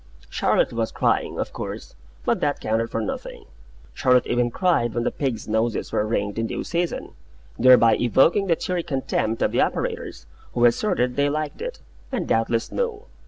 Charlotte was crying, of course; but that counted for nothing. Charlotte even cried when the pigs' noses were ringed in due season; thereby evoking the cheery contempt of the operators, who asserted they liked it, and doubtless knew.